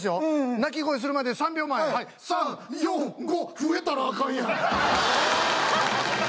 鳴き声するまで３秒前はい３４５増えたらあかんやん